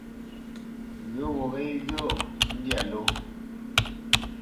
Ghyə̌ gho yéghyə́ gho ndyâ ló.